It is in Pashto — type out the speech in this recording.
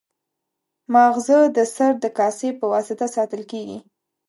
ماغزه د سر د کاسې په واسطه ساتل کېږي.